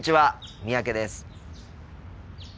三宅です。